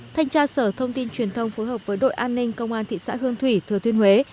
thanh tra sở thông tin truyền thông phối hợp với đội an ninh công an thị xã hương thủy thừa thuyên huế